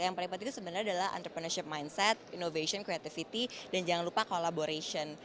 yang paling penting itu sebenarnya adalah entrepreneurship mindset innovation creativity dan jangan lupa collaboration